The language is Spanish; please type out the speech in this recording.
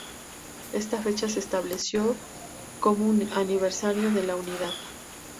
Esta fecha se estableció como aniversario de la unidad.